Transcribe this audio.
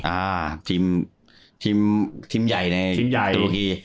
อ่าทีมทีมใหญ่ในตุรกี